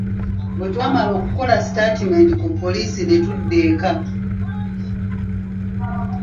Bwetwamala okukola sitaatimenti ku poolisi ne tudda eka.